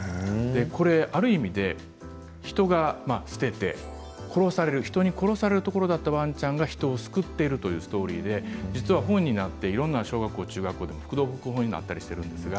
ある意味、人が捨てて人に殺されるところだったワンちゃんが人を救っているというストーリーで実は本になって小学校、中学校で副読本になったりしてるんです。